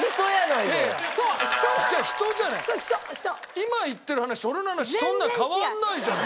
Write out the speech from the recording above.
今言ってる話と俺の話そんな変わんないじゃない！